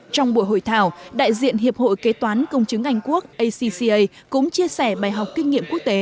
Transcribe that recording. trong buổi hội thảo đại diện hiệp hội kế toán công chứng anh quốc acca cũng chia sẻ bài học kinh nghiệm quốc tế